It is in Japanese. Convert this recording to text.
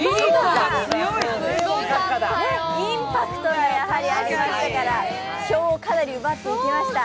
インパクトがありましたから票をかなり集めました。